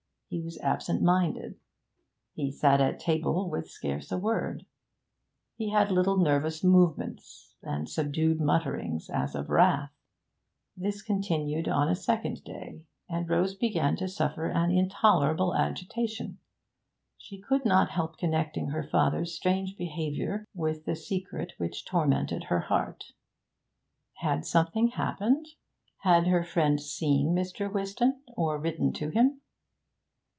He was absent minded; he sat at table with scarce a word; he had little nervous movements, and subdued mutterings as of wrath. This continued on a second day, and Rose began to suffer an intolerable agitation. She could not help connecting her father's strange behaviour with the secret which tormented her heart. Had something happened? Had her friend seen Mr. Whiston, or written to him?